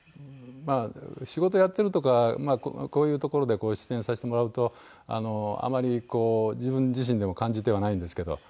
まあ仕事やってるとかこういうところで出演させてもらうとあまりこう自分自身でも感じてはないんですけど。